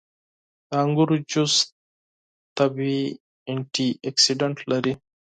• د انګورو جوس طبیعي انټياکسیدنټ لري.